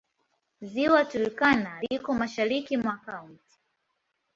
Ziwa Turkana liko mashariki mwa kaunti.